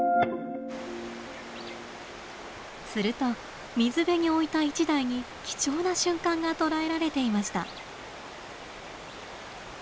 すると水辺に置いた１台に貴重な瞬間が捉えられていました。